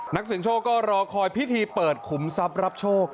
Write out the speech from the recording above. นักเสียงโชคก็รอคอยพิธีเปิดขุมทรัพย์รับโชค